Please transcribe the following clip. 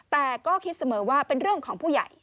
แต่ก็คิดเสมอว่าเป็นเรื่องของผู้ใหญ่